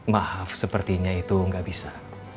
maaf sepertinya itu nggak bisa